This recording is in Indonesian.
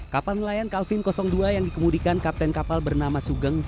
kapal nelayan kalvin dua yang dikemudikan kapten kapal bernama sugeng